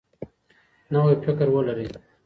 نوی فکر ولرئ.